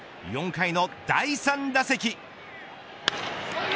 ４回の第３打席。